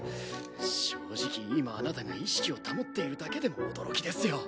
正直今あなたが意識を保っているだけでも驚きですよ。